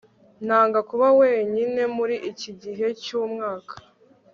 nanga kuba wenyine muri iki gihe cyumwaka